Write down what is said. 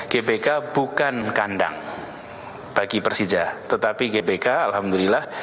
gbk bukan kandang bagi persija tetapi gbk alhamdulillah